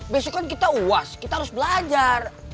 basic kan kita uas kita harus belajar